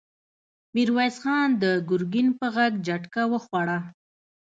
ميرويس خان د ګرګين په غږ جټکه وخوړه!